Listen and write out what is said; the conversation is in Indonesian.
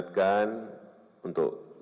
untuk penyelenggaraan dan penyelenggaraan